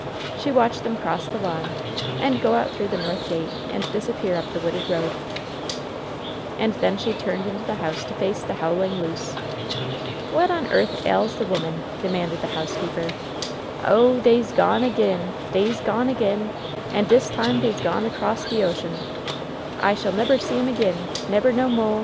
She watched them cross the lawn, and go out through the north gate, and disappear up the wooded road. 168 LOVE'S BITTEREST CUP And then she turned into the house to face the howl< ing Luce. "What on earth ails the woman? demanded the housekeeper. "Oh! dey*s gone ag'in! — dey*s gone ag*in! An* dis time dey*8 gone across de ocean f I shall nebber see *em ag*in !— ^nebber no mo' !